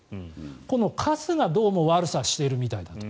このかすがどうも悪さをしてるみたいだと。